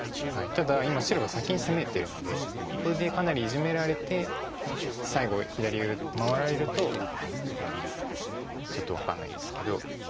ただ今白が先に攻めてるのでこれでかなりイジメられて最後左上回られるとちょっと分かんないんですけど。